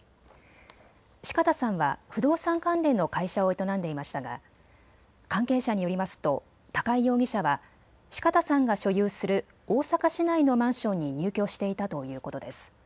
四方さんは不動産関連の会社を営んでいましたが関係者によりますと高井容疑者は四方さんが所有する大阪市内のマンションに入居していたということです。